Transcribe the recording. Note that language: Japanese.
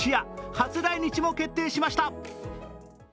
初来日も決定しました。